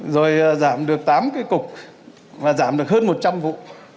rồi giảm được tám cái cục và giảm được hơn một trăm linh vụ